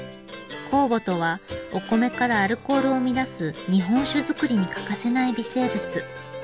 酵母とはお米からアルコールを生み出す日本酒造りに欠かせない微生物。